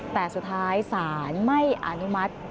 แต่สุดท้ายศาลไม่อนุมัติ